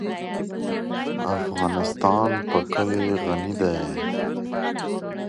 افغانستان په کلي غني دی.